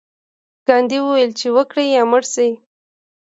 ګاندي وویل چې وکړئ یا مړه شئ.